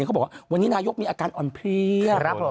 เขาบอกว่าวันนี้นายกมีอาการอ่อนเพลีย